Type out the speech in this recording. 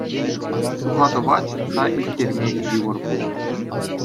Ҫухатӑва чӑтса ирттерме йывӑр пулнӑ.